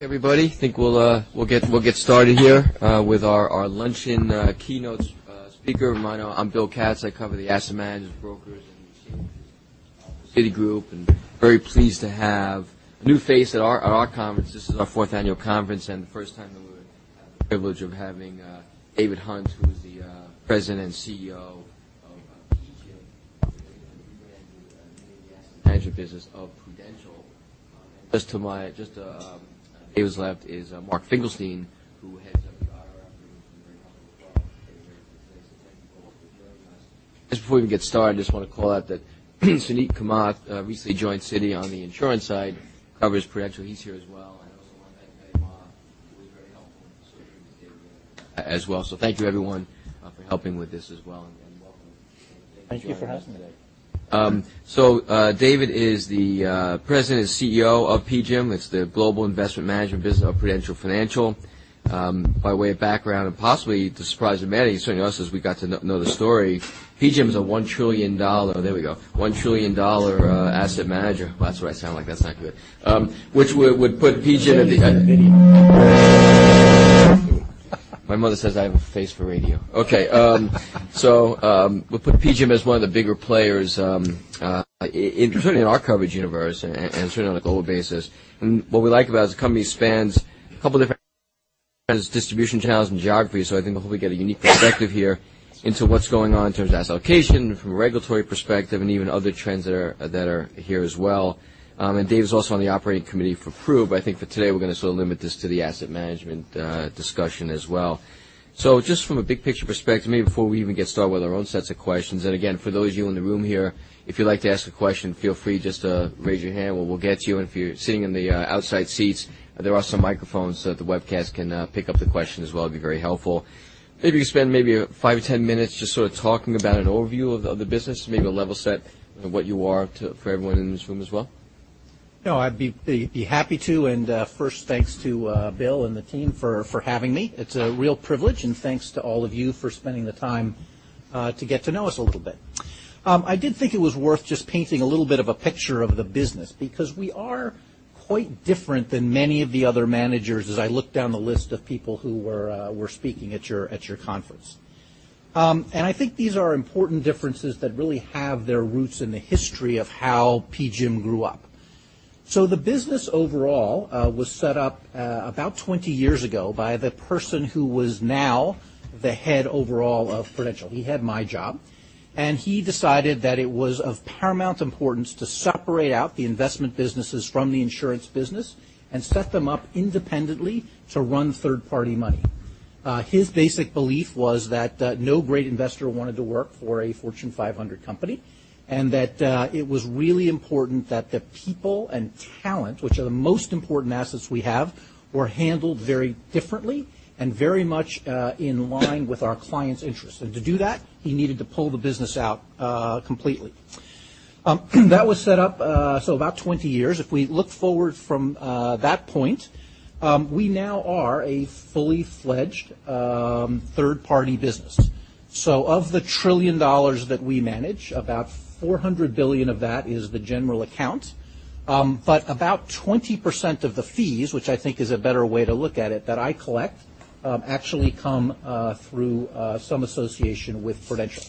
Everybody, I think we'll get started here with our luncheon keynote speaker. I'm William Katz. I cover the asset managers, brokers, and Citigroup, and very pleased to have a new face at our conference. This is our fourth annual conference, and the first time that we have the privilege of having David Hunt, who is the President and Chief Executive Officer of PGIM, the asset management business of Prudential. Just to David's left is Mark Finkelstein, who heads up the IR operations for very helpful as well. Thank you both for joining us. Just before we get started, I just want to call out that Suneet Kamath recently joined Citi on the insurance side, covers Prudential. He's here as well. I also want to thank Dave Ma, who was very helpful in securing David here as well. Thank you, everyone, for helping with this as well, and welcome. Thank you for having me. David is the President and CEO of PGIM. It's the global investment management business of Prudential Financial. By way of background, and possibly to the surprise of many, certainly not us as we got to know the story, PGIM's a $1 trillion. There we go. $1 trillion asset manager. Wow, that's what I sound like. That's not good. Which would put PGIM at the- You should do radio. My mother says I have a face for radio. Okay. Would put PGIM as one of the bigger players, including in our coverage universe and certainly on a global basis. What we like about it is the company spans a couple of different kinds of distribution channels and geographies. I think we'll hopefully get a unique perspective here into what's going on in terms of asset allocation from a regulatory perspective and even other trends that are here as well. Dave's also on the operating committee for Pru, but I think for today, we're going to sort of limit this to the asset management discussion as well. Just from a big picture perspective, maybe before we even get started with our own sets of questions, and again, for those of you in the room here, if you'd like to ask a question, feel free. Just raise your hand and we'll get to you. If you're sitting in the outside seats, there are some microphones so that the webcast can pick up the question as well. It'd be very helpful. Maybe spend maybe five to 10 minutes just sort of talking about an overview of the business. Maybe a level set of where you are for everyone in this room as well. No, I'd be happy to. First, thanks to Bill and the team for having me. It's a real privilege. Thanks to all of you for spending the time to get to know us a little bit. I did think it was worth just painting a little bit of a picture of the business because we are quite different than many of the other managers as I looked down the list of people who were speaking at your conference. I think these are important differences that really have their roots in the history of how PGIM grew up. The business overall was set up about 20 years ago by the person who was now the head overall of Prudential. He had my job. He decided that it was of paramount importance to separate out the investment businesses from the insurance business and set them up independently to run third-party money. His basic belief was that no great investor wanted to work for a Fortune 500 company, and it was really important that the people and talent, which are the most important assets we have, were handled very differently and very much in line with our clients' interests. To do that, he needed to pull the business out completely. That was set up, about 20 years. If we look forward from that point, we now are a fully fledged third-party business. Of the $1 trillion that we manage, about $400 billion of that is the general account. About 20% of the fees, which I think is a better way to look at it, that I collect, actually come through some association with Prudential.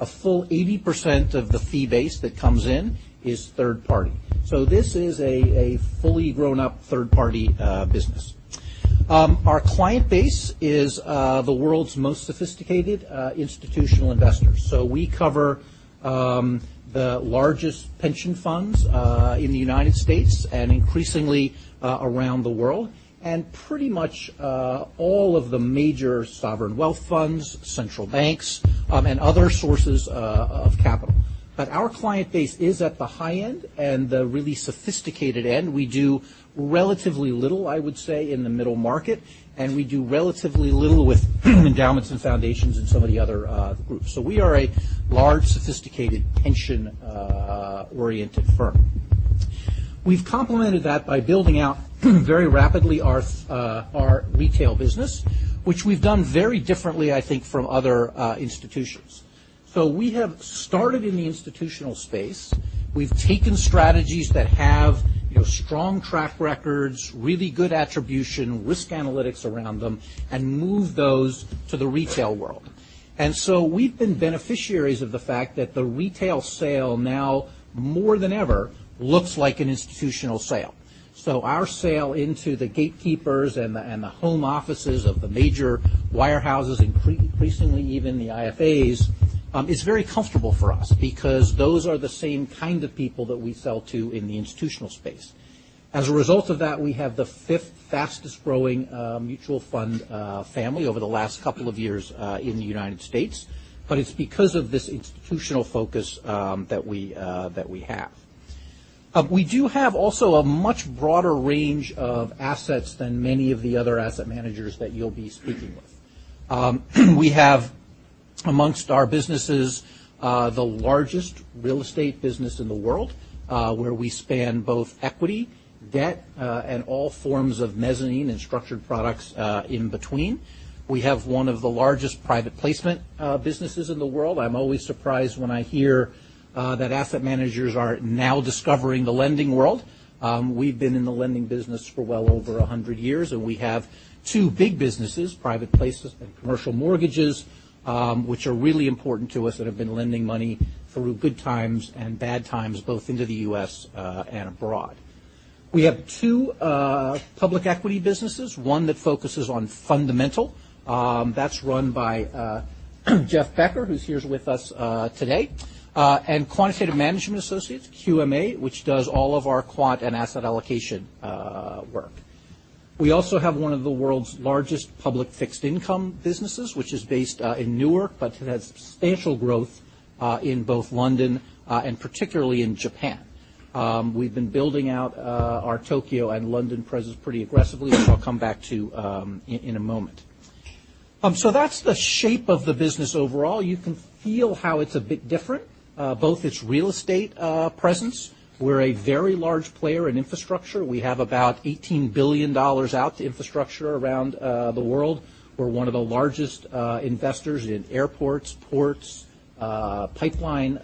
A full 80% of the fee base that comes in is third party. This is a fully grown up third-party business. Our client base is the world's most sophisticated institutional investors. We cover the largest pension funds in the U.S. and increasingly around the world, and pretty much all of the major sovereign wealth funds, central banks, and other sources of capital. Our client base is at the high end and the really sophisticated end. We do relatively little, I would say, in the middle market, and we do relatively little with endowments and foundations and some of the other groups. We are a large, sophisticated pension-oriented firm. We've complemented that by building out very rapidly our retail business, which we've done very differently, I think, from other institutions. We have started in the institutional space. We've taken strategies that have strong track records, really good attribution, risk analytics around them, and moved those to the retail world. We've been beneficiaries of the fact that the retail sale now more than ever looks like an institutional sale. Our sale into the gatekeepers and the home offices of the major wirehouses, increasingly even the IFAs, is very comfortable for us because those are the same kind of people that we sell to in the institutional space. As a result of that, we have the fifth fastest growing mutual fund family over the last couple of years in the U.S. It's because of this institutional focus that we have. We do have also a much broader range of assets than many of the other asset managers that you'll be speaking with. We have amongst our businesses the largest real estate business in the world, where we span both equity, debt, and all forms of mezzanine and structured products in between. We have one of the largest private placement businesses in the world. I'm always surprised when I hear that asset managers are now discovering the lending world. We've been in the lending business for well over 100 years, and we have two big businesses, private placement and commercial mortgages, which are really important to us that have been lending money through good times and bad times, both into the U.S. and abroad. We have two public equity businesses, one that focuses on fundamental. That's run by Jeff Becker, who's here with us today. Quantitative Management Associates, QMA, which does all of our quant and asset allocation work. We also have one of the world's largest public fixed income businesses, which is based in Newark, but it has substantial growth in both London and particularly in Japan. We've been building out our Tokyo and London presence pretty aggressively, which I'll come back to in a moment. That's the shape of the business overall. You can feel how it's a bit different, both its real estate presence. We're a very large player in infrastructure. We have about $18 billion out to infrastructure around the world. We're one of the largest investors in airports, ports, pipeline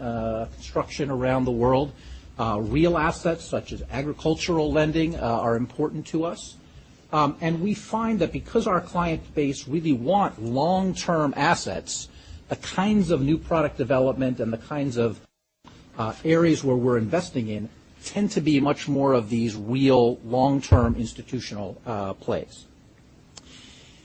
construction around the world. Real assets such as agricultural lending are important to us. We find that because our client base really want long-term assets, the kinds of new product development and the kinds of areas where we're investing in tend to be much more of these real long-term institutional plays.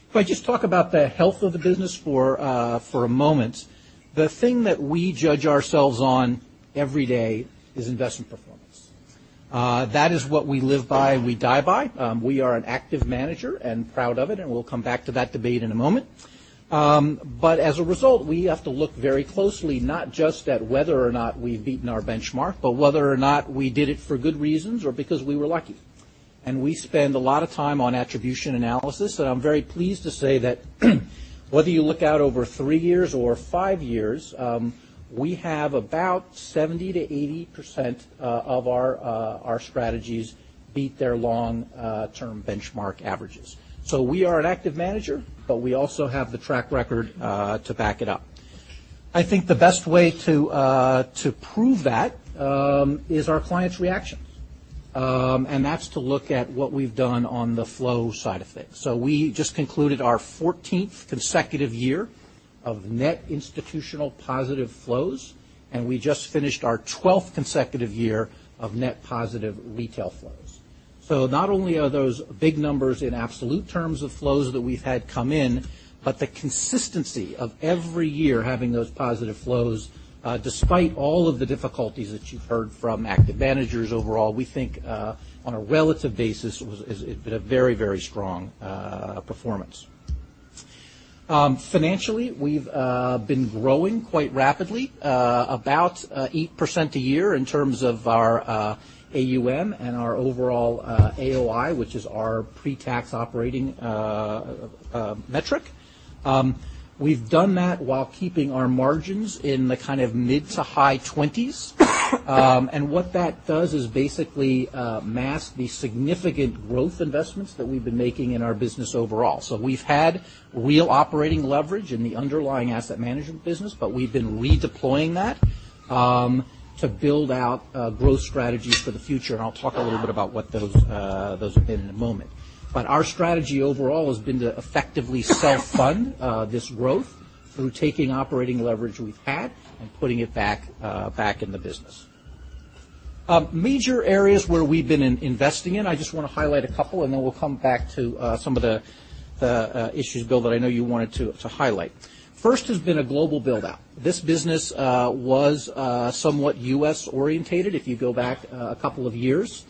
If I just talk about the health of the business for a moment, the thing that we judge ourselves on every day is investment performance. That is what we live by and we die by. We are an active manager and proud of it, and we'll come back to that debate in a moment. As a result, we have to look very closely, not just at whether or not we've beaten our benchmark, but whether or not we did it for good reasons or because we were lucky. We spend a lot of time on attribution analysis, and I'm very pleased to say that whether you look out over three years or five years, we have about 70%-80% of our strategies beat their long-term benchmark averages. We are an active manager, but we also have the track record to back it up. I think the best way to prove that is our clients' reaction. That's to look at what we've done on the flow side of things. We just concluded our 14th consecutive year of net institutional positive flows, and we just finished our 12th consecutive year of net positive retail flows. Not only are those big numbers in absolute terms of flows that we've had come in, but the consistency of every year having those positive flows, despite all of the difficulties that you've heard from active managers overall, we think, on a relative basis, it was a very strong performance. Financially, we've been growing quite rapidly, about 8% a year in terms of our AUM and our overall AOI, which is our pre-tax operating metric. We've done that while keeping our margins in the mid to high 20s. What that does is basically mask the significant growth investments that we've been making in our business overall. We've had real operating leverage in the underlying asset management business, but we've been redeploying that to build out growth strategies for the future, and I'll talk a little bit about what those have been in a moment. Our strategy overall has been to effectively self-fund this growth through taking operating leverage we've had and putting it back in the business. Major areas where we've been investing in, I just want to highlight a couple, then we'll come back to some of the issues, Bill Katz, that I know you wanted to highlight. First has been a global build-out. This business was somewhat U.S.-oriented, if you go back a couple of years.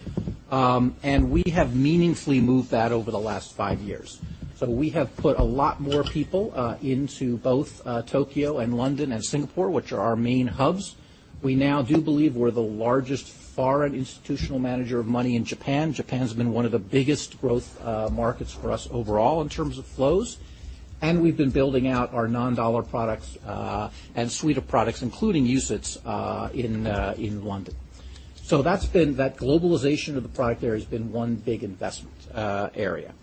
We have meaningfully moved that over the last 5 years. We have put a lot more people into both Tokyo and London and Singapore, which are our main hubs. We now do believe we're the largest foreign institutional manager of money in Japan. Japan's been one of the biggest growth markets for us overall in terms of flows, and we've been building out our non-dollar products and suite of products, including UCITS in London. That's been that globalization of the product there has been one big investment area.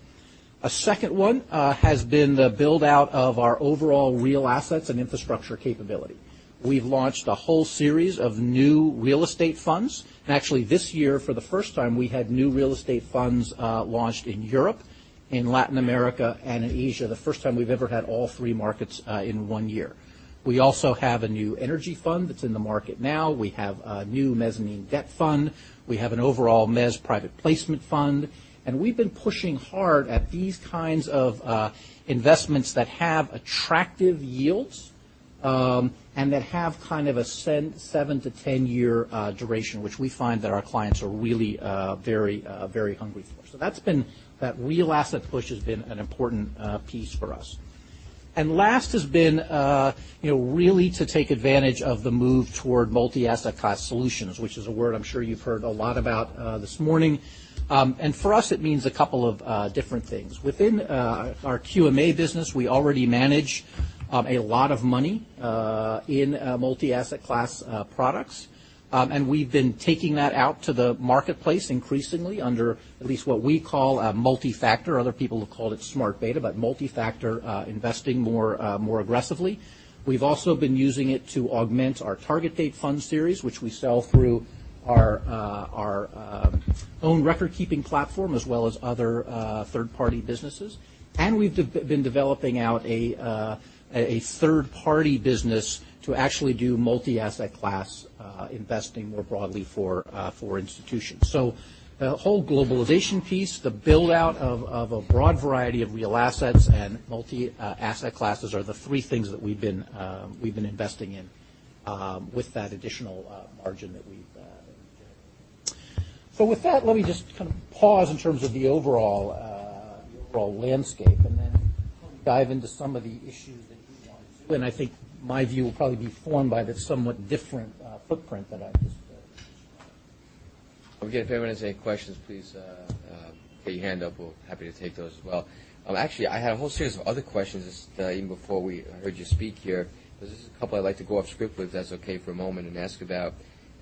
A second one has been the build-out of our overall real assets and infrastructure capability. We've launched a whole series of new real estate funds. Actually, this year, for the first time, we had new real estate funds launched in Europe, in Latin America, and in Asia, the first time we've ever had all three markets in one year. We also have a new energy fund that's in the market now. We have a new mezzanine debt fund. We have an overall mezz private placement fund, and we've been pushing hard at these kinds of investments that have attractive yields, and that have a 7- to 10-year duration, which we find that our clients are really very hungry for. That's been that real asset push has been an important piece for us. Last has been really to take advantage of the move toward multi-asset class solutions, which is a word I'm sure you've heard a lot about this morning. For us, it means a couple of different things. Within our QMA business, we already manage a lot of money in multi-asset class products. We've been taking that out to the marketplace increasingly under at least what we call a multifactor. Other people have called it smart beta, but multifactor investing more aggressively. We've also been using it to augment our target date fund series, which we sell through our own record-keeping platform, as well as other third-party businesses. We've been developing out a third-party business to actually do multi-asset class investing more broadly for institutions. The whole globalization piece, the build-out of a broad variety of real assets and multi-asset classes are the three things that we've been investing in with that additional margin that we've. With that, let me just pause in terms of the overall landscape and then dive into some of the issues that you want. I think my view will probably be formed by the somewhat different footprint that I just described. Okay. If anyone has any questions, please put your hand up. We're happy to take those as well. Actually, I had a whole series of other questions, even before we heard you speak here. There's just a couple I'd like to go off script, if that's okay, for a moment and ask about.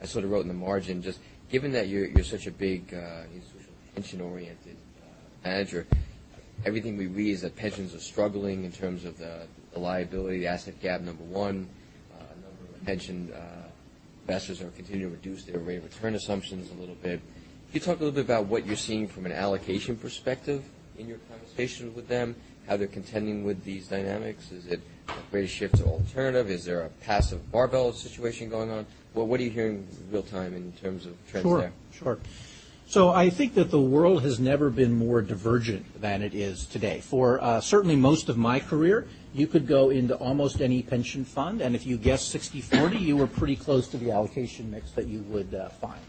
I sort of wrote in the margin, just given that you're such a big institutional pension oriented manager, everything we read is that pensions are struggling in terms of the liability asset gap, number one. A number of pension investors are continuing to reduce their rate of return assumptions a little bit. Can you talk a little bit about what you're seeing from an allocation perspective in your conversations with them, how they're contending with these dynamics? Is it a great shift to alternative? Is there a passive barbell situation going on? What are you hearing in real time in terms of trends there? Sure. I think that the world has never been more divergent than it is today. For certainly most of my career, you could go into almost any pension fund, and if you guessed 60/40, you were pretty close to the allocation mix that you would find.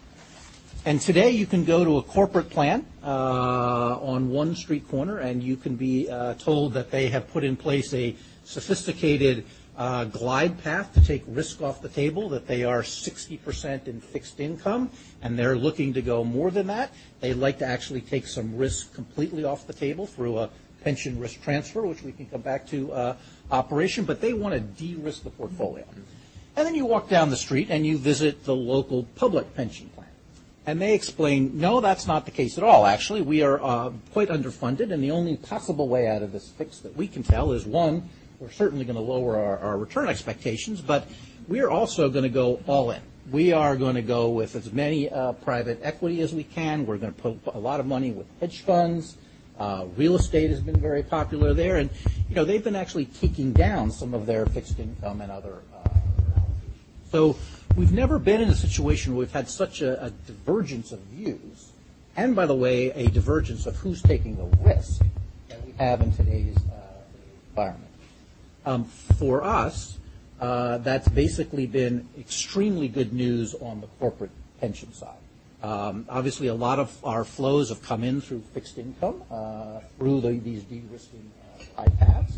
Today you can go to a corporate plan on one street corner, and you can be told that they have put in place a sophisticated glide path to take risk off the table, that they are 60% in fixed income, and they're looking to go more than that. They'd like to actually take some risk completely off the table through a pension risk transfer, which we can come back to operation, but they want to de-risk the portfolio. Then you walk down the street and you visit the local public pension plan, and they explain, "No, that's not the case at all. Actually, we are quite underfunded and the only possible way out of this fix that we can tell is, one, we're certainly going to lower our return expectations, but we are also going to go all in. We are going to go with as many private equity as we can. We're going to put a lot of money with hedge funds." Real estate has been very popular there, and they've been actually taking down some of their fixed income and other allocations. We've never been in a situation where we've had such a divergence of views, and by the way, a divergence of who's taking the risk that we have in today's environment. For us, that's basically been extremely good news on the corporate pension side. Obviously, a lot of our flows have come in through fixed income, through these de-risking paths.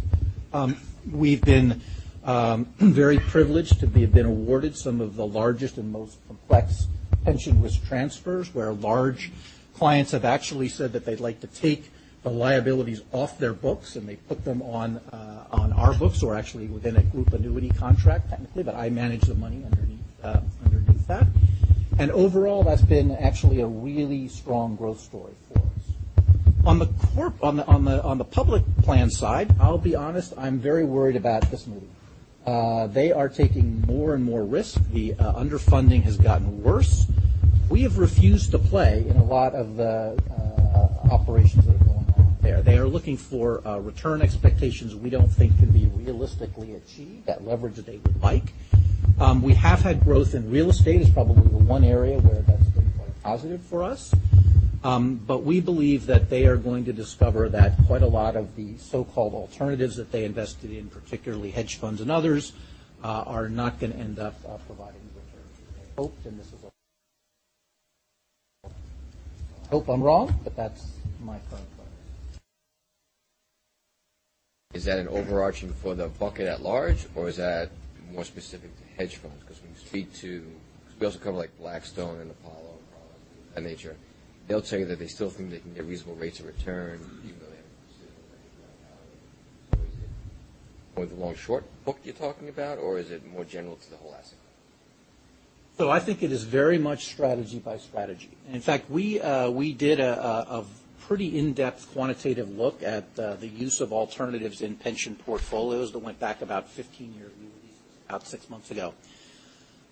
We've been very privileged to have been awarded some of the largest and most complex pension risk transfers, where large clients have actually said that they'd like to take the liabilities off their books, and they put them on our books or actually within a group annuity contract, technically. I manage the money underneath that. Overall, that's been actually a really strong growth story for us. On the public plan side, I'll be honest, I'm very worried about this movie. They are taking more and more risk. The underfunding has gotten worse. We have refused to play in a lot of the operations that are going on there. They are looking for return expectations we don't think can be realistically achieved at leverage that they would like. We have had growth in real estate. It's probably the one area where that's been quite positive for us. We believe that they are going to discover that quite a lot of the so-called alternatives that they invested in, particularly hedge funds and others, are not going to end up providing the returns that they hoped. This is a Hope I'm wrong, but that's my current focus. Is that an overarching for the bucket at large, or is that more specific to hedge funds? We also cover Blackstone and Apollo and others of that nature. They'll tell you that they still think they can get reasonable rates of return even though they have a considerable amount of liability. Is it more the long/short book you're talking about, or is it more general to the whole asset class? I think it is very much strategy by strategy. In fact, we did a pretty in-depth quantitative look at the use of alternatives in pension portfolios that went back about 15 years. We released this about 6 months ago.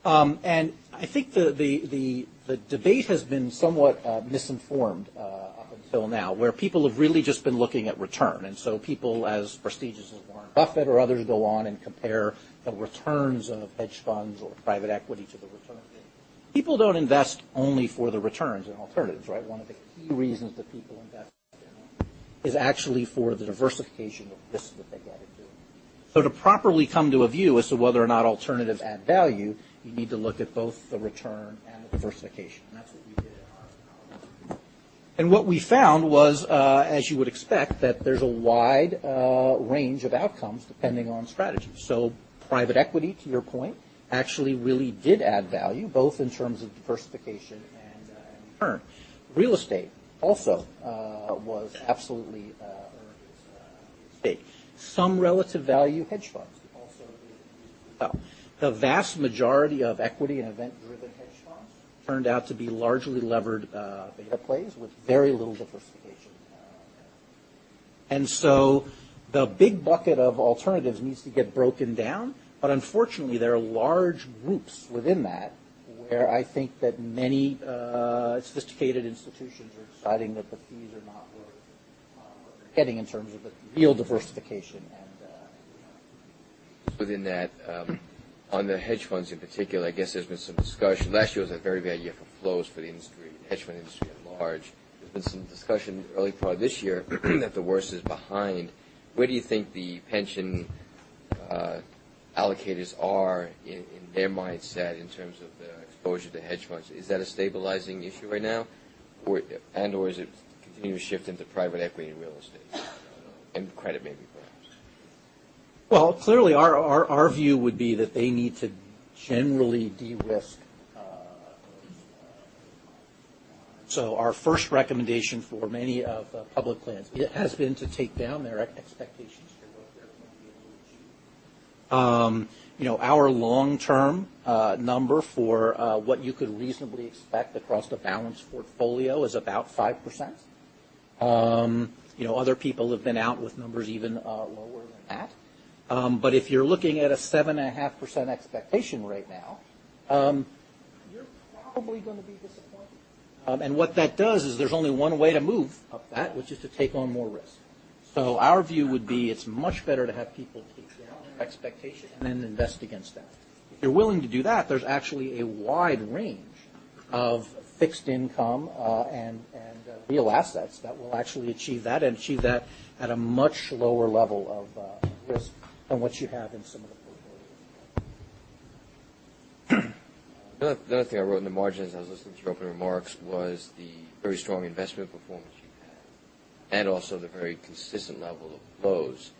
I think the debate has been somewhat misinformed up until now, where people have really just been looking at return. People as prestigious as Warren Buffett or others go on and compare the returns of hedge funds or private equity to the return. People don't invest only for the returns in alternatives, right? One of the key reasons that people invest in them is actually for the diversification of risk that they add a portfolio. To properly come to a view as to whether or not alternatives add value, you need to look at both the return and the diversification. That's what we did in our technology. What we found was, as you would expect, that there's a wide range of outcomes depending on strategy. Private equity, to your point, actually really did add value, both in terms of diversification and return. Real estate also was absolutely. Some relative value hedge funds also did. The vast majority of equity and event-driven hedge funds turned out to be largely levered beta plays with very little diversification. The big bucket of alternatives needs to get broken down. Unfortunately, there are large groups within that where I think that many sophisticated institutions are deciding that the fees are not worth what they're getting in terms of the real diversification and. Within that, on the hedge funds in particular, I guess there's been some discussion. Last year was a very bad year for flows for the industry and the hedge fund industry at large. There's been some discussion early part of this year that the worst is behind. Where do you think the pension allocators are in their mindset in terms of their exposure to hedge funds? Is that a stabilizing issue right now? And/or is it continuing to shift into private equity and real estate, and credit maybe, perhaps? Well, clearly our view would be that they need to generally de-risk. Our first recommendation for many of the public plans, it has been to take down their expectations for what they're hoping to achieve. Our long-term number for what you could reasonably expect across the balanced portfolio is about 5%. Other people have been out with numbers even lower than that. If you're looking at a 7.5% expectation right now, you're probably going to be disappointed. What that does is there's only one way to move up that, which is to take on more risk. Our view would be it's much better to have people take down their expectation and then invest against that. If you're willing to do that, there's actually a wide range of fixed income and real assets that will actually achieve that and achieve that at a much lower level of risk than what you have in some of the portfolios. The other thing I wrote in the margins as I was listening to your opening remarks was the very strong investment performance you've had and also the very consistent level of flows.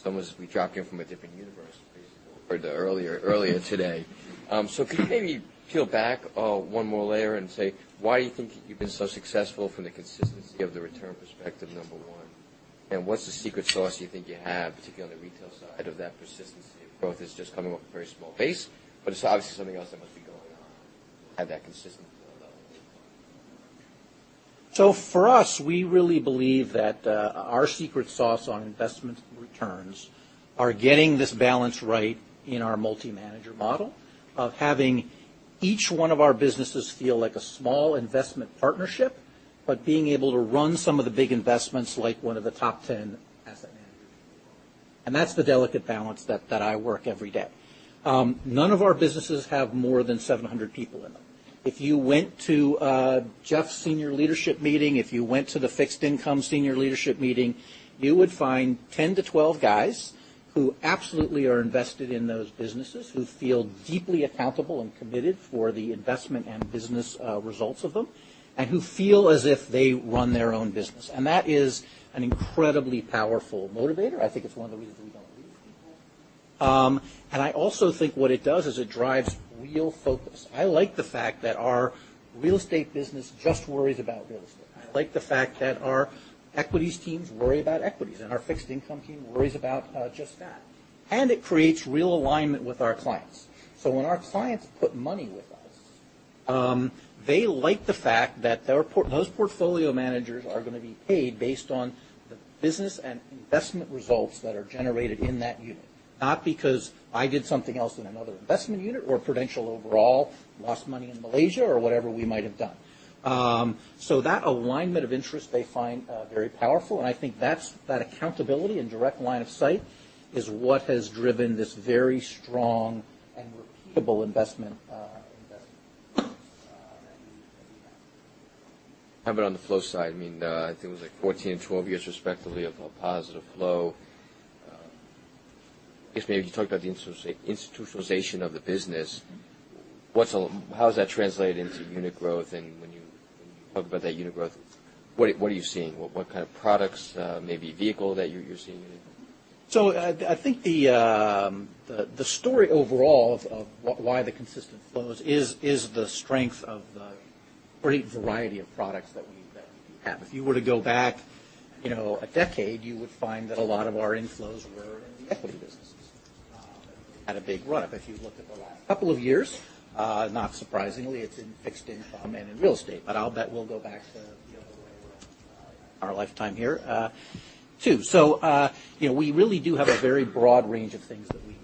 It's almost we dropped in from a different universe, basically, from what we heard earlier today. Could you maybe peel back one more layer and say why you think you've been so successful from the consistency of the return perspective, number one? What's the secret sauce you think you have, particularly on the retail side of that persistency of growth is just coming off a very small base, but it's obviously something else that must be going on to have that consistent flow level. For us, we really believe that our secret sauce on investment returns are getting this balance right in our multi-manager model of having each one of our businesses feel like a small investment partnership, but being able to run some of the big investments like one of the top 10 asset managers. That's the delicate balance that I work every day. None of our businesses have more than 700 people in them. If you went to Jeff's senior leadership meeting, if you went to the fixed income senior leadership meeting, you would find 10 to 12 guys who absolutely are invested in those businesses, who feel deeply accountable and committed for the investment and business results of them, and who feel as if they run their own business. That is an incredibly powerful motivator. I think it's one of the reasons we don't lose people. I also think what it does is it drives real focus. I like the fact that our real estate business just worries about real estate. I like the fact that our equities teams worry about equities, and our fixed income team worries about just that. It creates real alignment with our clients. When our clients put money with us, they like the fact that those portfolio managers are going to be paid based on the business and investment results that are generated in that unit, not because I did something else in another investment unit or Prudential overall lost money in Malaysia or whatever we might have done. That alignment of interest they find very powerful, and I think that accountability and direct line of sight is what has driven this very strong and repeatable investment that we have. How about on the flow side? I think it was like 14, 12 years respectively of a positive flow. I guess maybe you talked about the institutionalization of the business. How does that translate into unit growth? When you talk about that unit growth, what are you seeing? What kind of products, maybe vehicle that you're seeing in it? I think the story overall of why the consistent flows is the strength of the pretty variety of products that we have. If you were to go back a decade, you would find that a lot of our inflows were in the equity businesses. Had a big runup. If you looked at the last couple of years, not surprisingly, it's in fixed income and in real estate. I'll bet we'll go back to the other way around in our lifetime here, too. We really do have a very broad range of things that we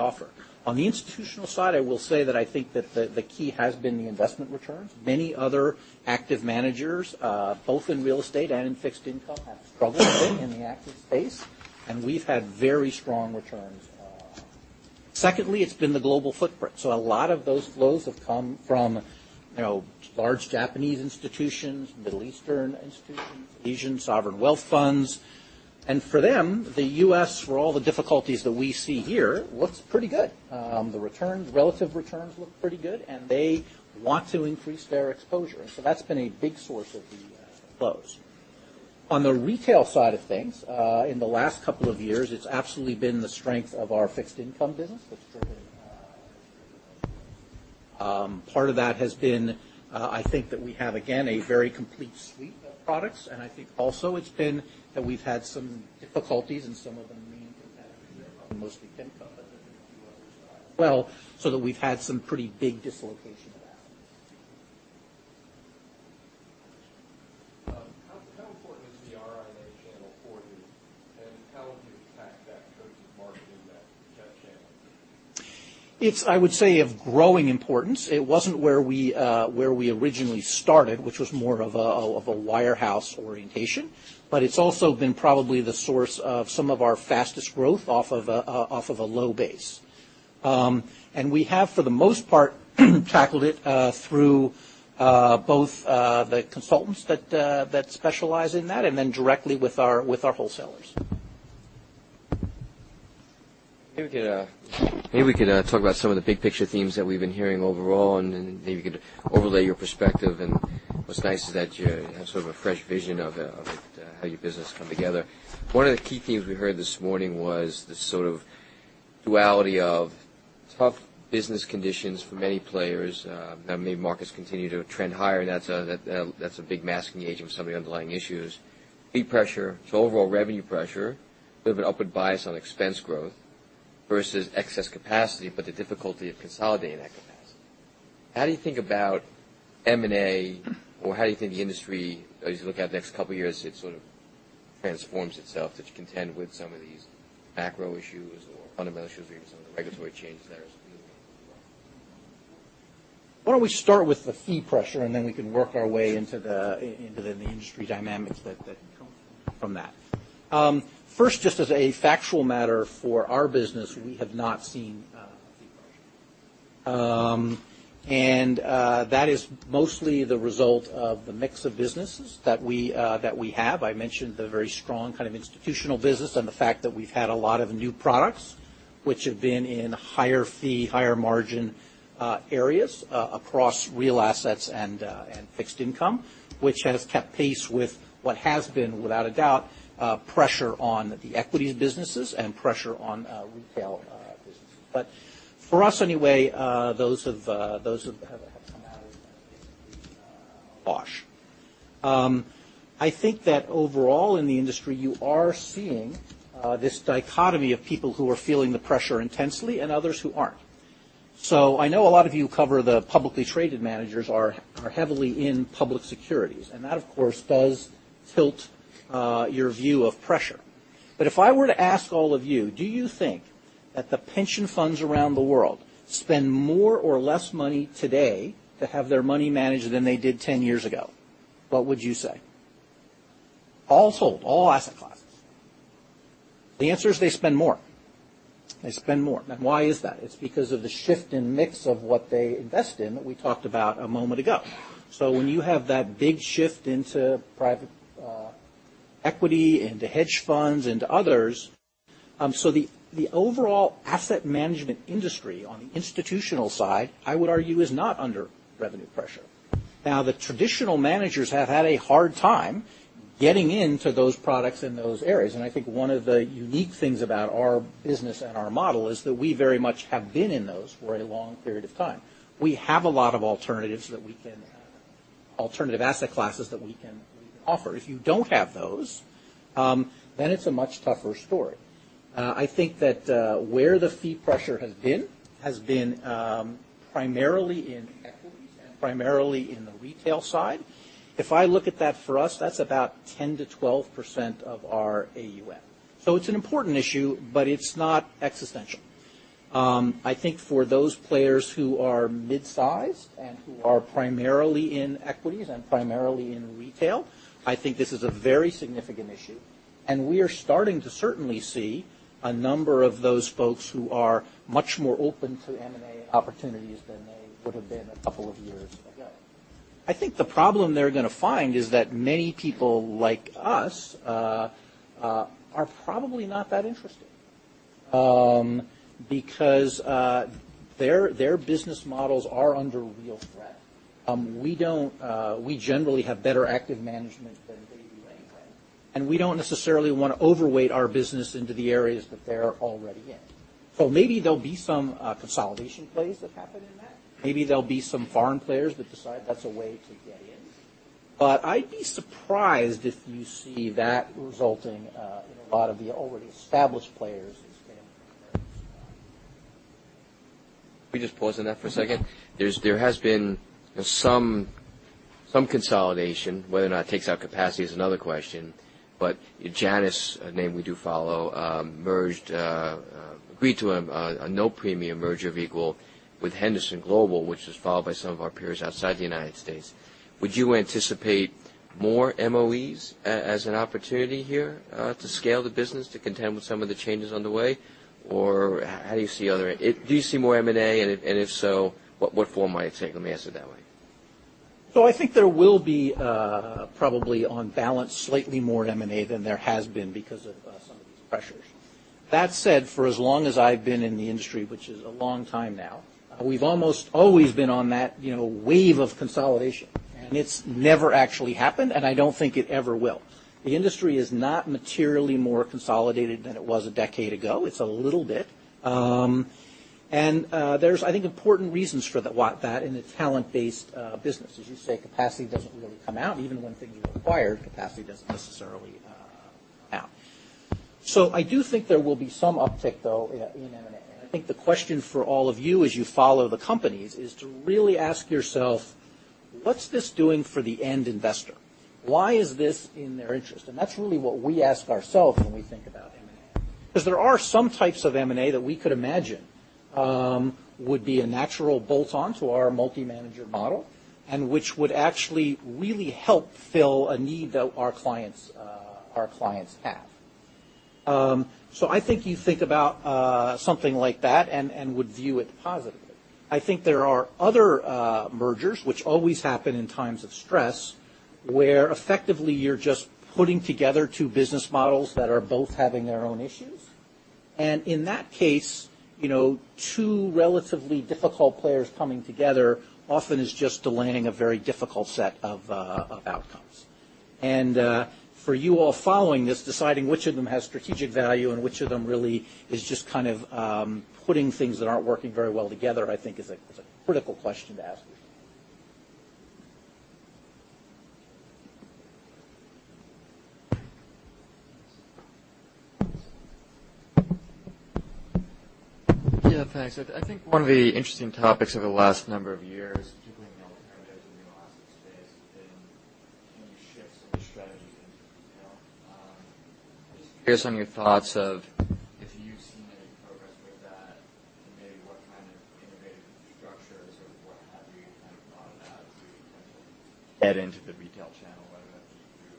offer. On the institutional side, I will say that I think that the key has been the investment returns. Many other active managers, both in real estate and in fixed income, have struggled a bit in the active space, and we've had very strong returns. Secondly, it's been the global footprint. A lot of those flows have come from large Japanese institutions, Middle Eastern institutions, Asian sovereign wealth funds. For them, the U.S., for all the difficulties that we see here, looks pretty good. The relative returns look pretty good, and they want to increase their exposure. That's been a big source of the flows. On the retail side of things, in the last couple of years, it's absolutely been the strength of our fixed income business that's driven. Part of that has been, I think that we have, again, a very complete suite of products. I think also it's been that we've had some difficulties in some of the main competitive, mostly income, but there's been a few others as well, so that we've had some pretty big dislocation of assets. How important is the RIA channel for you, and how have you attacked that versus marketing that channel? It's, I would say, of growing importance. It wasn't where we originally started, which was more of a wire house orientation. It's also been probably the source of some of our fastest growth off of a low base. We have, for the most part, tackled it through both the consultants that specialize in that, and then directly with our wholesalers. Maybe we could talk about some of the big picture themes that we've been hearing overall, then maybe you could overlay your perspective. What's nice is that you have a fresh vision of how your business come together. One of the key themes we heard this morning was this sort of duality of tough business conditions for many players. Many markets continue to trend higher, that's a big masking agent of some of the underlying issues. Fee pressure, overall revenue pressure with an upward bias on expense growth versus excess capacity, but the difficulty of consolidating that capacity. How do you think about M&A, or how do you think the industry, as you look out the next couple of years, it sort of transforms itself to contend with some of these macro issues or fundamental issues or even some of the regulatory changes there as we move along? Why don't we start with the fee pressure, then we can work our way into the industry dynamics that come from that. First, just as a factual matter for our business, we have not seen fee pressure. That is mostly the result of the mix of businesses that we have. I mentioned the very strong institutional business and the fact that we've had a lot of new products which have been in higher fee, higher margin areas across real assets and fixed income, which has kept pace with what has been, without a doubt, pressure on the equities businesses and pressure on retail businesses. For us anyway, those have come out wash. I think that overall in the industry, you are seeing this dichotomy of people who are feeling the pressure intensely and others who aren't. I know a lot of you cover the publicly traded managers are heavily in public securities, and that, of course, does tilt your view of pressure. If I were to ask all of you, do you think that the pension funds around the world spend more or less money today to have their money managed than they did 10 years ago? What would you say? All told, all asset classes. The answer is they spend more. They spend more. Why is that? It's because of the shift in mix of what they invest in that we talked about a moment ago. When you have that big shift into private equity, into hedge funds, into others. The overall asset management industry on the institutional side, I would argue, is not under revenue pressure. the traditional managers have had a hard time getting into those products in those areas. I think one of the unique things about our business and our model is that we very much have been in those for a long period of time. We have a lot of alternatives asset classes that we can offer. If you don't have those, it's a much tougher story. I think where the fee pressure has been, has been primarily in equities and primarily in the retail side. If I look at that for us, that's about 10%-12% of our AUM. It's an important issue, but it's not existential. I think for those players who are mid-sized and who are primarily in equities and primarily in retail, this is a very significant issue. We are starting to certainly see a number of those folks who are much more open to M&A opportunities than they would have been a couple of years ago. I think the problem they're going to find is that many people like us are probably not that interested because their business models are under real threat. We generally have better active management than they do anyway. We don't necessarily want to overweight our business into the areas that they're already in. Maybe there'll be some consolidation plays that happen in that. Maybe there'll be some foreign players that decide that's a way to get in. I'd be surprised if you see that resulting in a lot of the already established players in. Can we just pause on that for a second? There has been some consolidation. Whether or not it takes out capacity is another question. Janus, a name we do follow, agreed to a no premium Merger of Equals with Henderson Global, which is followed by some of our peers outside the United States. Would you anticipate more MOEs as an opportunity here to scale the business to contend with some of the changes on the way, or how do you see the other end? Do you see more M&A, and if so, what form might it take? Let me ask it that way. I think there will be probably on balance slightly more M&A than there has been because of some of these pressures. That said, for as long as I've been in the industry, which is a long time now, we've almost always been on that wave of consolidation, and it's never actually happened, and I don't think it ever will. The industry is not materially more consolidated than it was a decade ago. It's a little bit. There's, I think, important reasons for that in a talent-based business. As you say, capacity doesn't really come out. Even when things are acquired, capacity doesn't necessarily come out. I do think there will be some uptick, though, in M&A, and I think the question for all of you as you follow the companies is to really ask yourself, what's this doing for the end investor? Why is this in their interest? That's really what we ask ourselves when we think about M&A. There are some types of M&A that we could imagine would be a natural bolt-on to our multi-manager model and which would actually really help fill a need that our clients have. I think you think about something like that and would view it positively. I think there are other mergers which always happen in times of stress, where effectively you're just putting together two business models that are both having their own issues. In that case, two relatively difficult players coming together often is just delaying a very difficult set of outcomes. For you all following this, deciding which of them has strategic value and which of them really is just kind of putting things that aren't working very well together, I think is a critical question to ask. Yeah, thanks. I think one of the interesting topics of the last number of years, particularly in the alternative asset space, has been the shifts in the strategy in retail. I'm just curious on your thoughts of if you've seen any progress with that, and maybe what kind of innovative structures or what have you, kind of thought of as you attempt to add into the retail channel, whether that be through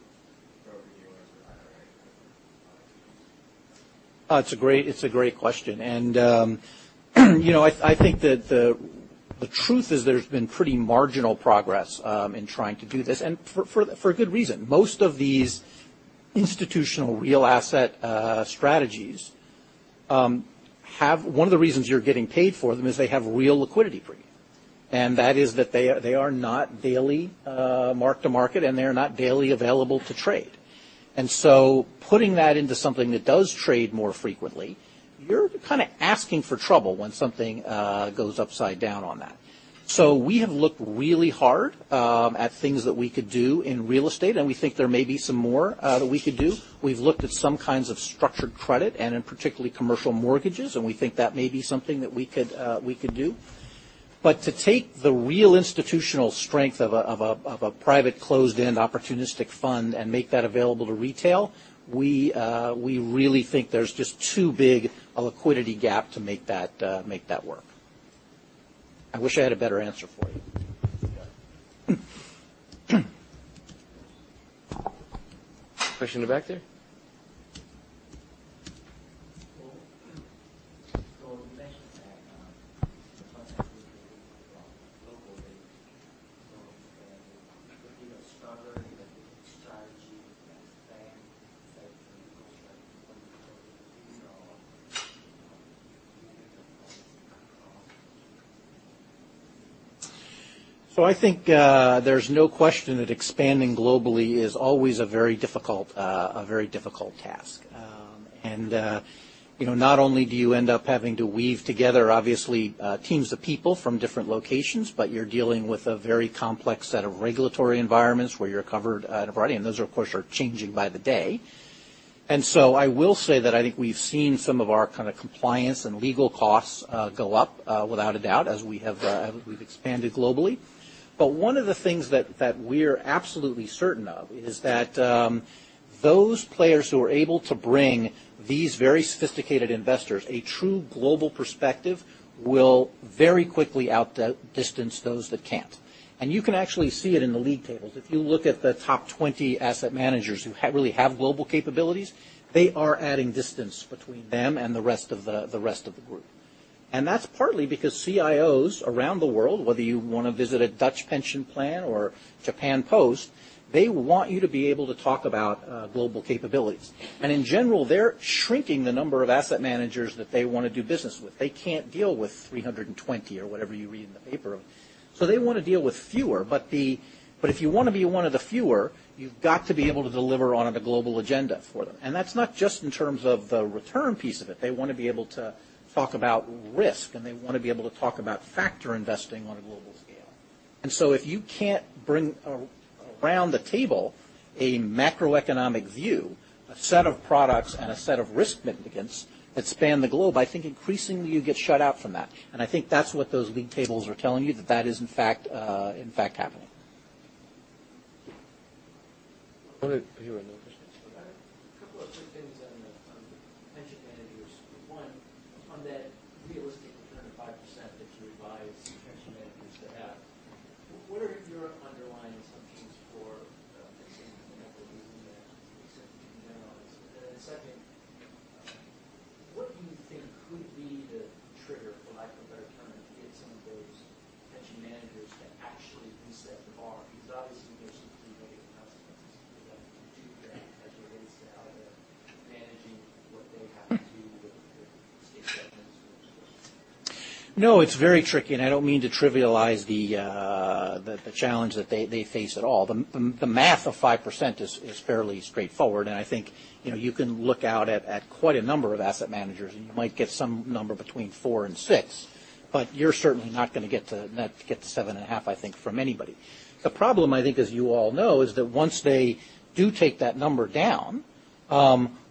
broker-dealers or IRA type of vehicles? It's a great question. I think that the truth is there's been pretty marginal progress in trying to do this, for good reason. Most of these institutional real asset strategies, one of the reasons you're getting paid for them is they have real liquidity premium. That is that they are not daily mark-to-market, and they are not daily available to trade. Putting that into something that does trade more frequently, you're kind of asking for trouble when something goes upside down on that. We have looked really hard at things that we could do in real estate, and we think there may be some more that we could do. We've looked at some kinds of structured credit and in particular commercial mortgages, and we think that may be something that we could do. To take the real institutional strength of a private closed-end opportunistic fund and make that available to retail, we really think there's just too big a liquidity gap to make that work. I wish I had a better answer for you. Yeah. Question in the back there? You mentioned that some activity around global reach. Looking at strategy and span, how do you negotiate when you go into these markets? I think there's no question that expanding globally is always a very difficult task. Not only do you end up having to weave together obviously teams of people from different locations, but you're dealing with a very complex set of regulatory environments where you're covered at a variety, and those, of course, are changing by the day. I will say that I think we've seen some of our compliance and legal costs go up, without a doubt, as we've expanded globally. One of the things that we're absolutely certain of is that those players who are able to bring these very sophisticated investors a true global perspective will very quickly outdistance those that can't. You can actually see it in the league tables. If you look at the top 20 asset managers who really have global capabilities, they are adding distance between them and the rest of the group. That's partly because CIOs around the world, whether you want to visit a Dutch pension plan or Japan Post, they want you to be able to talk about global capabilities. In general, they're shrinking the number of asset managers that they want to do business with. They can't deal with 320 or whatever you read in the paper. They want to deal with fewer, but if you want to be one of the fewer, you've got to be able to deliver on a global agenda for them. That's not just in terms of the return piece of it. They want to be able to talk about risk, and they want to be able to talk about factor investing on a global scale. If you can't bring around the table a macroeconomic view, a set of products, and a set of risk mitigants that span the globe, I think increasingly you get shut out from that. I think that's what those league tables are telling you, that that is in fact happening. I hear another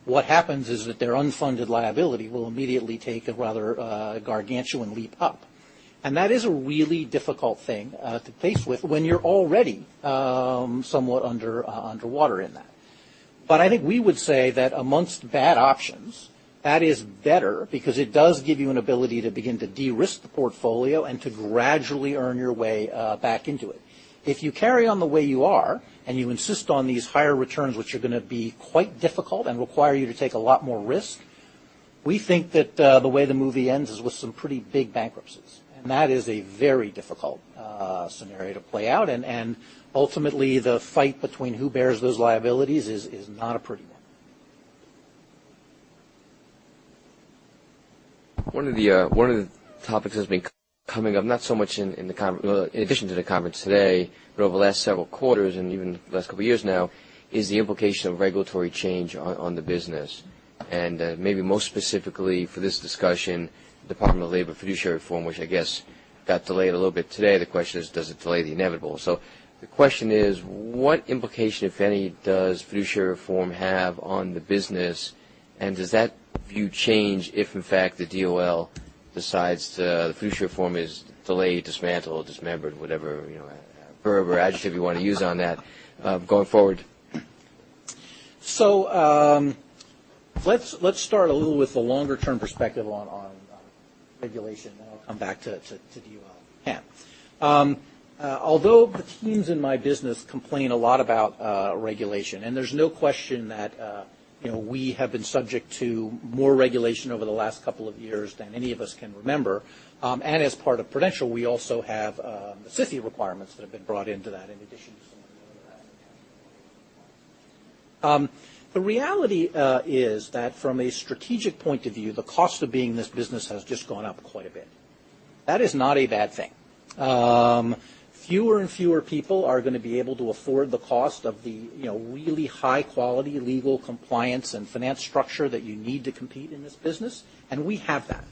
what happens is that their unfunded liability will immediately take a rather gargantuan leap up. That is a really difficult thing to face with when you're already somewhat underwater in that. I think we would say that amongst bad options, that is better because it does give you an ability to begin to de-risk the portfolio and to gradually earn your way back into it. If you carry on the way you are and you insist on these higher returns, which are going to be quite difficult and require you to take a lot more risk, we think that the way the movie ends is with some pretty big bankruptcies. That is a very difficult scenario to play out. Ultimately, the fight between who bears those liabilities is not a pretty one. One of the topics that's been coming up, in addition to the conference today, but over the last several quarters and even the last couple of years now, is the implication of regulatory change on the business. Maybe most specifically for this discussion, the Department of Labor fiduciary reform, which I guess got delayed a little bit today. The question is, does it delay the inevitable? The question is, what implication, if any, does fiduciary reform have on the business? Does that view change if, in fact, the DOL decides the fiduciary reform is delayed, dismantled, dismembered, whatever verb or adjective you want to use on that going forward? Let's start a little with the longer-term perspective on regulation, then I'll come back to DOL at the end. Although the teams in my business complain a lot about regulation, there's no question that we have been subject to more regulation over the last couple of years than any of us can remember. As part of Prudential, we also have the SIFI requirements that have been brought into that in addition to some of the other regulations. The reality is that from a strategic point of view, the cost of being this business has just gone up quite a bit. That is not a bad thing. Fewer and fewer people are going to be able to afford the cost of the really high-quality legal compliance and finance structure that you need to compete in this business, and we have that.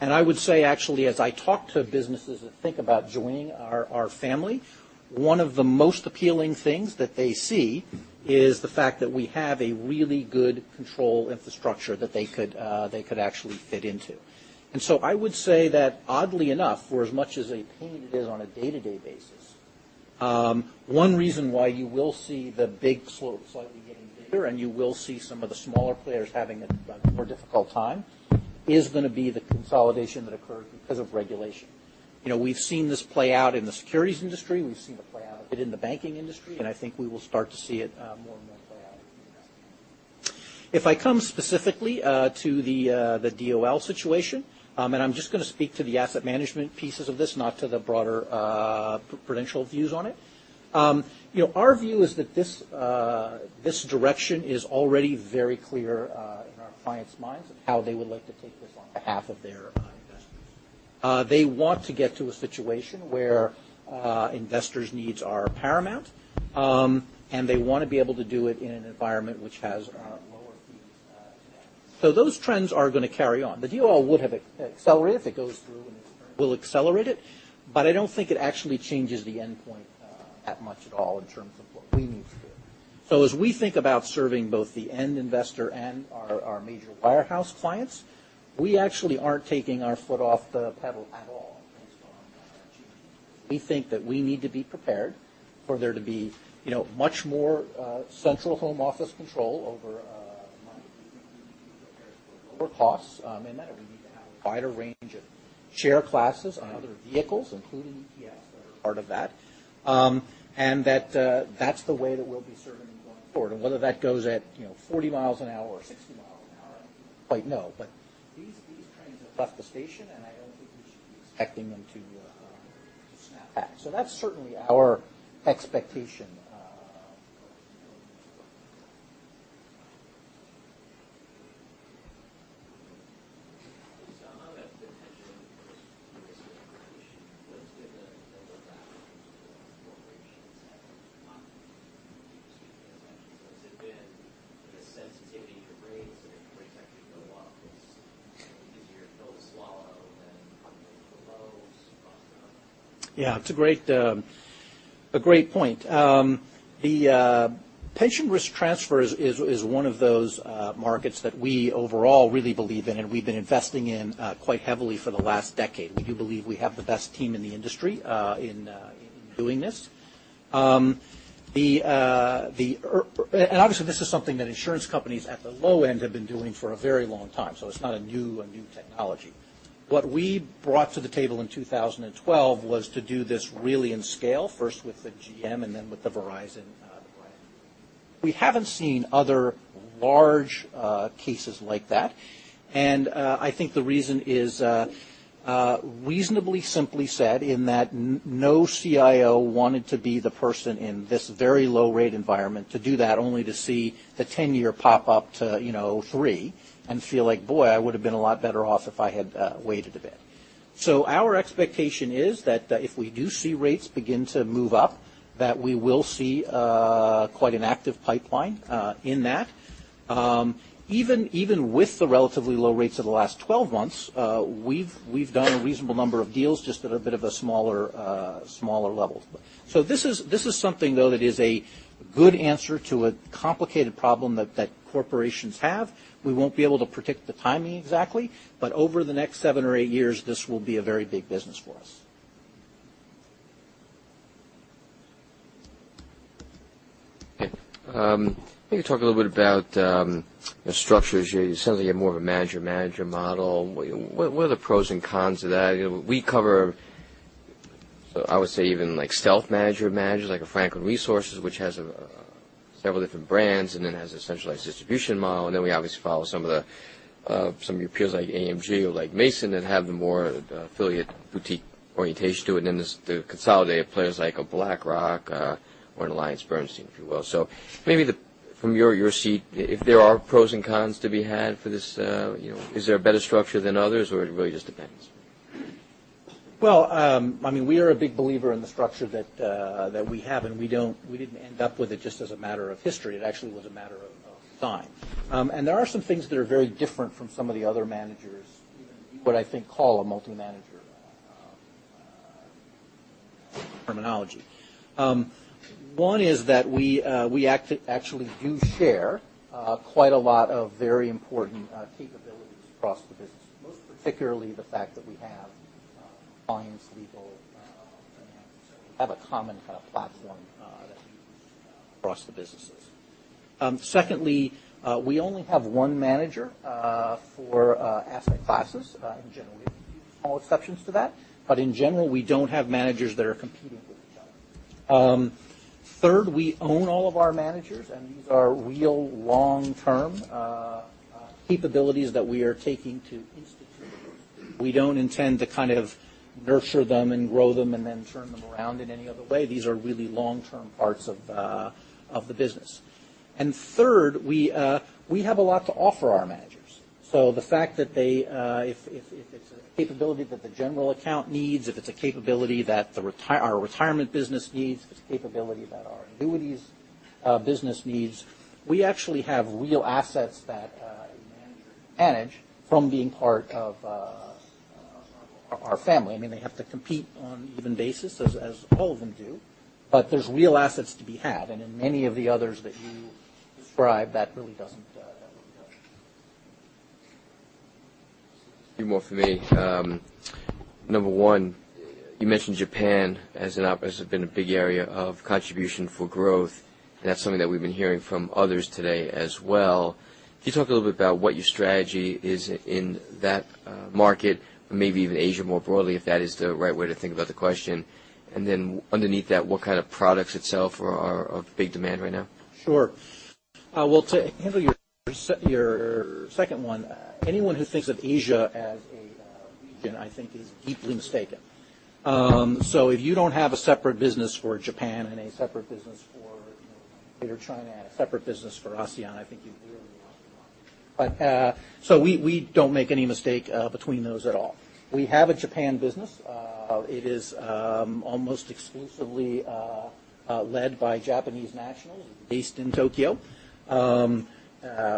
I would say, actually, as I talk to businesses that think about joining our family, one of the most appealing things that they see is the fact that we have a really good control infrastructure that they could actually fit into. I would say that oddly enough, for as much as a pain it is on a day-to-day basis, one reason why you will see the big slowly getting bigger and you will see some of the smaller players having a more difficult time is going to be the consolidation that occurs because of regulation. We've seen this play out in the securities industry, we've seen it play out a bit in the banking industry, I think we will start to see it more and more play out in investment management. If I come specifically to the DOL situation, I'm just going to speak to the asset management pieces of this, not to the broader Prudential views on it. Our view is that this direction is already very clear in our clients' minds of how they would like to take this on behalf of their investors. They want to get to a situation where investors' needs are paramount, they want to be able to do it in an environment which has lower fees and costs. Those trends are going to carry on. The DOL would have accelerated it. If it goes through in its current form, will accelerate it, I don't think it actually changes the endpoint that much at all in terms of what we need to do. As we think about serving both the end investor and our major wirehouse clients, we actually aren't taking our foot off the pedal at all in terms of our achievements. We think that we need to be prepared for there to be much more central home office control over money. We think we need to be prepared for lower costs in that. We need to have a wider range of share classes on other vehicles, including ETFs that are part of that. That's the way that we'll be serving them going forward. Whether that goes at 40 miles an hour or 60 miles an hour, I don't quite know. These trains have left the station, I don't think we should be expecting them to snap back. That's certainly our expectation going forward. Just on the pension risk transfer issue, when is going to be the inflection point where corporations have enough confidence to do these transactions? Has it been the sensitivity to rates and if rates actually go up, it's easier to pill to swallow than if they're lows across the curve? Yeah, it's a great point. The pension risk transfer is one of those markets that we overall really believe in and we've been investing in quite heavily for the last decade. We do believe we have the best team in the industry in doing this. Obviously, this is something that insurance companies at the low end have been doing for a very long time, so it's not a new technology. What we brought to the table in 2012 was to do this really in scale, first with the GM and then with the Verizon plan. We haven't seen other large cases like that, and I think the reason is reasonably simply said in that no CIO wanted to be the person in this very low rate environment to do that only to see the 10-year pop up to 3% and feel like, boy, I would've been a lot better off if I had waited a bit. Our expectation is that if we do see rates begin to move up, that we will see quite an active pipeline in that. Even with the relatively low rates of the last 12 months, we've done a reasonable number of deals, just at a bit of a smaller level. This is something, though, that is a good answer to a complicated problem that corporations have. We won't be able to predict the timing exactly, over the next seven or eight years, this will be a very big business for us. Maybe talk a little bit about the structures. You said that you have more of a manager model. What are the pros and cons of that? We cover, I would say even like stealth manager managers, like a Franklin Resources, which has several different brands and then has a centralized distribution model. Then we obviously follow some of your peers like AMG or like Mason that have the more affiliate boutique orientation to it. Then there's the consolidated players like a BlackRock or an AllianceBernstein, if you will. Maybe from your seat, if there are pros and cons to be had for this, is there a better structure than others, or it really just depends? Well, we are a big believer in the structure that we have, we didn't end up with it just as a matter of history. It actually was a matter of time. There are some things that are very different from some of the other managers, what I think call a multi-manager terminology. One is that we actually do share quite a lot of very important capabilities across the business. Most particularly the fact that we have clients, legal, finance, have a common kind of platform that we use across the businesses. Secondly, we only have one manager for asset classes. In general. We have a few small exceptions to that. In general, we don't have managers that are competing with each other. Third, we own all of our managers, and these are real long-term capabilities that we are taking to institute. We don't intend to kind of nurture them and grow them and then turn them around in any other way. These are really long-term parts of the business. Third, we have a lot to offer our managers. The fact that if it's a capability that the general account needs, if it's a capability that our retirement business needs, if it's a capability that our annuities business needs, we actually have real assets that a manager manage from being part of our family. They have to compete on even basis as all of them do. There's real assets to be had. In many of the others that you described, that really doesn't happen. Few more from me. Number one, you mentioned Japan has been a big area of contribution for growth. That's something that we've been hearing from others today as well. Can you talk a little bit about what your strategy is in that market, maybe even Asia more broadly, if that is the right way to think about the question? Underneath that, what kind of products itself are of big demand right now? Sure. Well, to handle your second one, anyone who thinks of Asia as a region, I think is deeply mistaken. If you don't have a separate business for Japan and a separate business for either China and a separate business for ASEAN, I think you've really lost your mind. We don't make any mistake between those at all. We have a Japan business. It is almost exclusively led by Japanese nationals based in Tokyo.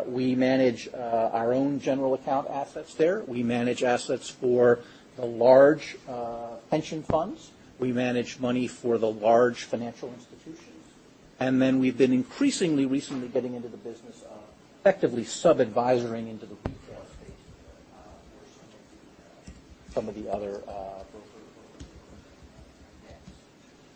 We manage our own general account assets there. We manage assets for the large pension funds. We manage money for the large financial institutions. We've been increasingly recently getting into the business of effectively sub-advisoring into the retail space there for some of the other broker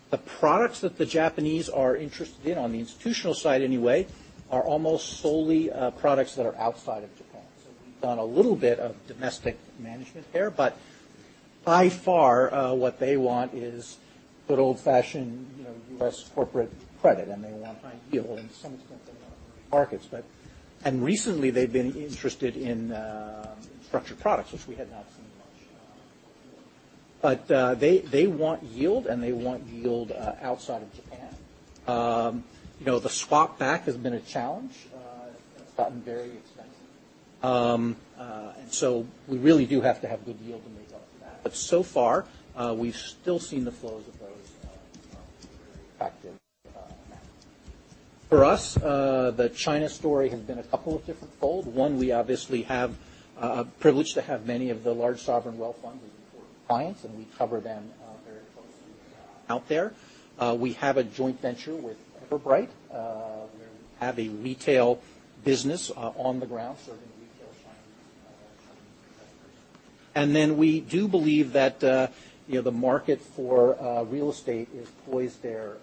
The products that the Japanese are interested in on the institutional side anyway, are almost solely products that are outside of Japan. We've done a little bit of domestic management there, but by far, what they want is good old-fashioned, U.S. corporate credit, and they want high yield. To some extent they want markets. Recently they've been interested in structured products, which we had not seen much before. They want yield, and they want yield outside of Japan. The swap back has been a challenge. It's gotten very expensive. We really do have to have good yield to make up for that. We've still seen the flows of those very active amounts. For us, the China story has been a couple of different fold. One, we obviously have a privilege to have many of the large sovereign wealth funds as important clients, and we cover them very closely out there. We have a joint venture with Everbright, where we have a retail business on the ground serving retail clients and certain investors. We do believe that the market for real estate is poised there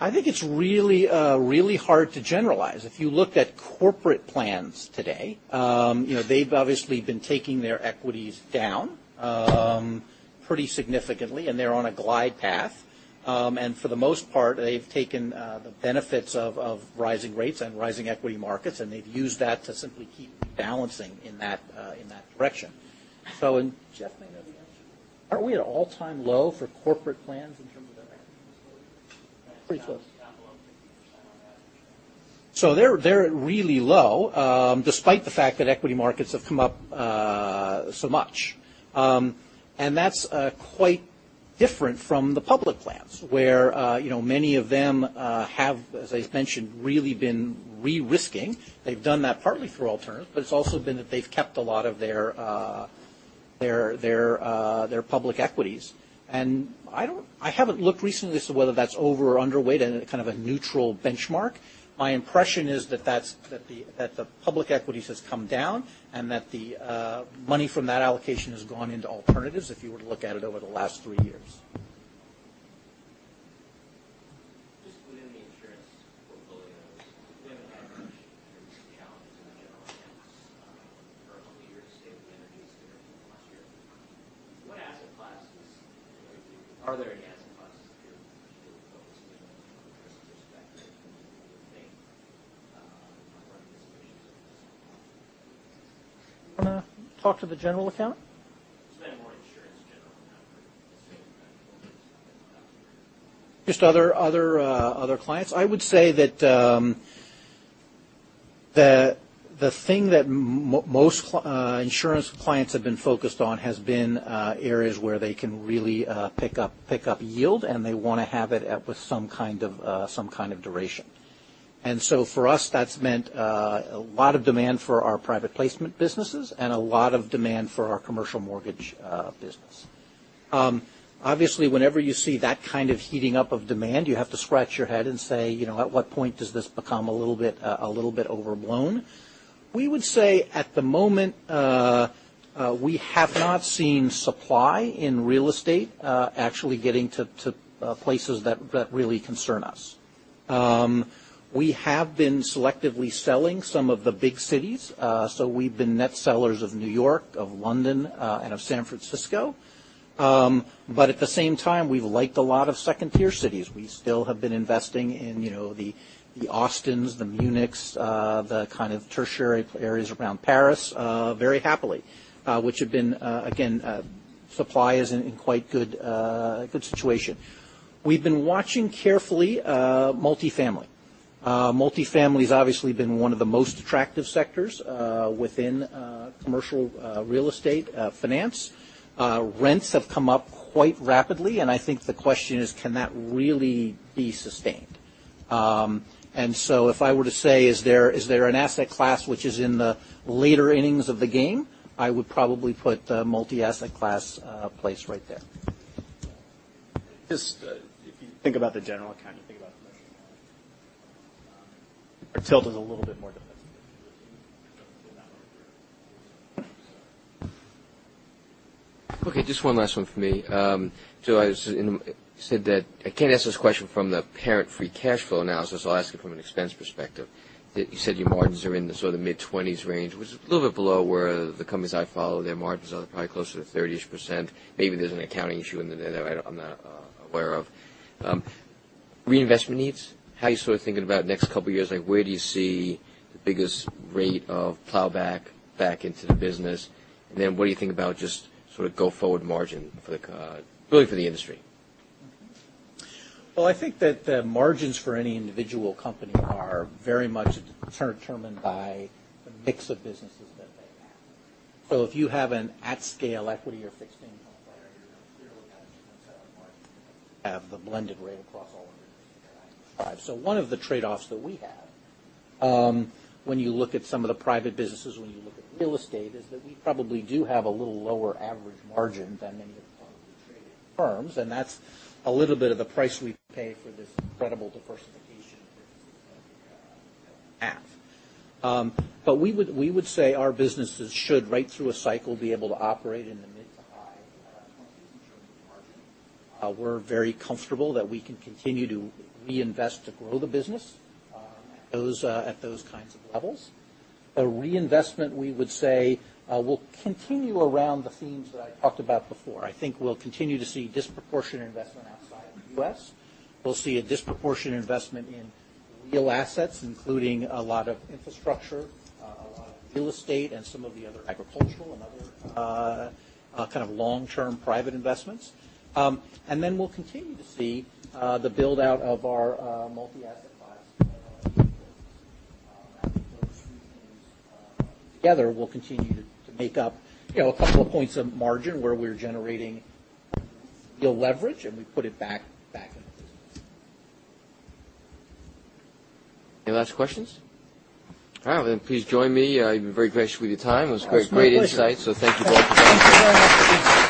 I think it's really hard to generalize. If you looked at corporate plans today, they've obviously been taking their equities down pretty significantly, and they're on a glide path. For the most part, they've taken the benefits of rising rates and rising equity markets, and they've used that to simply keep rebalancing in that direction. Jeff may know the answer Aren't we at an all-time low for corporate plans in terms of their equity portfolio? Pretty close. Down below 50% on that? They're really low, despite the fact that equity markets have come up so much. That's quite different from the public plans, where many of them have, as I mentioned, really been re-risking. They've done that partly through alternatives, but it's also been that they've kept a lot of their public equities. I haven't looked recently as to whether that's over or underweight in kind of a neutral benchmark. My impression is that the public equities has come down, and that the money from that allocation has gone into alternatives, if you were to look at it over the last three years. Just within the insurance portfolios, we haven't had much in terms of challenges in the general accounts for a couple of years. Same with energies last year. Are there any asset classes that you're focusing on from a risk perspective that you would think are one of the solutions that you guys are offering? Want to talk to the general account? Spend more insurance general account versus- Just other clients? I would say that the thing that most insurance clients have been focused on has been areas where they can really pick up yield, and they want to have it with some kind of duration. For us, that's meant a lot of demand for our private placement businesses and a lot of demand for our commercial mortgage business. Obviously, whenever you see that kind of heating up of demand, you have to scratch your head and say, "At what point does this become a little bit overblown?" We would say, at the moment, we have not seen supply in real estate actually getting to places that really concern us. We have been selectively selling some of the big cities. We've been net sellers of New York, of London, and of San Francisco. At the same time, we've liked a lot of second-tier cities. We still have been investing in the Austins, the Munichs, the kind of tertiary areas around Paris, very happily. Which have been, again, supply is in quite good situation. We've been watching carefully multi-family. Multi-family's obviously been one of the most attractive sectors within commercial real estate finance. Rents have come up quite rapidly, and I think the question is, can that really be sustained? If I were to say, is there an asset class which is in the later innings of the game, I would probably put multi-asset class place right there. Just if you think about the general account, you think about commercial mortgages. Our tilt is a little bit more defensive than you would see in that one here. Okay, just one last one from me. I can't ask this question from the parent free cash flow analysis, so I'll ask it from an expense perspective. You said your margins are in the mid-20s range, was a little bit below where the companies I follow, their margins are probably closer to 30%. Maybe there's an accounting issue in there that I'm not aware of. Reinvestment needs, how are you thinking about next couple of years? Where do you see the biggest rate of plowback back into the business? What do you think about just go forward margin really for the industry? I think that margins for any individual company are very much determined by the mix of businesses that they have. If you have an at scale equity or fixed income player, you're going to clearly have a different set of margins than if you have the blended rate across all of the businesses that I described. One of the trade-offs that we have, when you look at some of the private businesses, when you look at real estate, is that we probably do have a little lower average margin than many of the publicly traded firms, and that's a little bit of the price we pay for this incredible diversification that we have. We would say our businesses should, right through a cycle, be able to operate in the mid to high 20s in terms of margin. We're very comfortable that we can continue to reinvest to grow the business at those kinds of levels. A reinvestment we would say will continue around the themes that I talked about before. I think we'll continue to see disproportionate investment outside of the U.S. We'll see a disproportionate investment in real assets, including a lot of infrastructure, a lot of real estate, and some of the other agricultural and other kind of long-term private investments. We'll continue to see the build-out of our multi-asset class. I think those two things together will continue to make up a couple of points of margin where we're generating real leverage, and we put it back in the business. Any last questions? All right, please join me. You've been very gracious with your time. It was great insight. My pleasure. Thank you very much. Thank you very much.